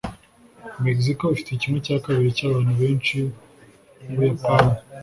mexico ifite kimwe cya kabiri cyabantu benshi nku buyapani